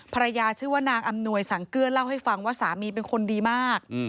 ชื่อว่านางอำนวยสังเกื้อเล่าให้ฟังว่าสามีเป็นคนดีมาก